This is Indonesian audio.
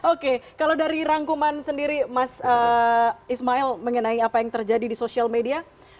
oke kalau dari rangkuman sendiri mas ismail mengenai apa yang terjadi di sosial media